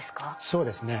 そうですね。